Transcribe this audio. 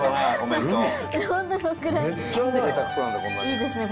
いいですね。